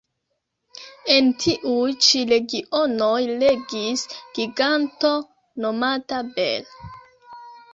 En tiuj ĉi regionoj regis giganto nomata Bel.